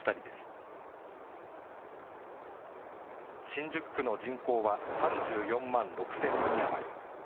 新宿区の人口は３４万６０００人余り。